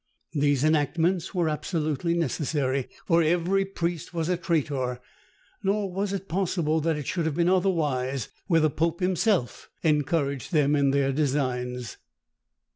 These enactments were absolutely necessary, for every priest was a traitor: nor was it possible that it should have been otherwise, where the pope himself encouraged them in their designs.